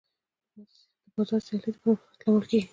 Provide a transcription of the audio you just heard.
د بازار سیالي د پرمختګ لامل کېږي.